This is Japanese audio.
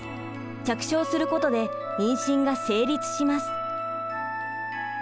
着床することで妊娠が成立します。